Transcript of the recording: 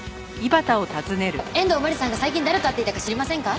遠藤真理さんが最近誰と会っていたか知りませんか？